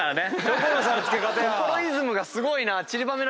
所イズムがすごいな。